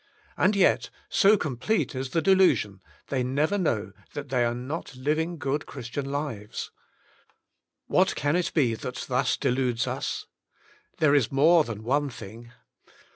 And yet, so complete is the delusion, they never know that they are not living good Christian lives. .What can it be that thus deludes us? There is more than one thing.